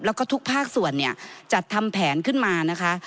แล้วก็ทุกภาคส่วนเนี่ยจัดทำแผนขึ้นมานะคะ